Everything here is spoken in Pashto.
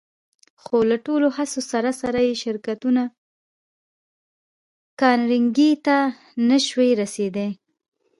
خو له ټولو هڅو سره سره يې شرکتونه کارنګي ته نه شوای رسېدای.